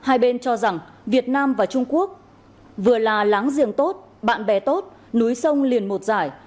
hai bên cho rằng việt nam và trung quốc vừa là láng giềng tốt bạn bè tốt núi sông liền một giải